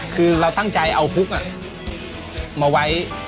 คือเราท่างใจเอาฮุกอะ